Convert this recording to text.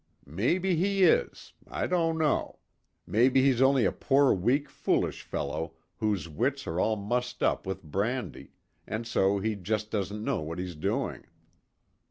"Maybe he is. I don't know. Maybe he's only a poor weak foolish fellow whose wits are all mussed up with brandy, and so he just doesn't know what he's doing."